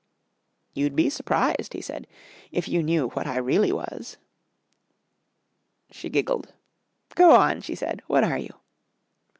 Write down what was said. "You'd be surprised," he said, "if you knew what I really was." She giggled. "Go on!" she said. "What are you?"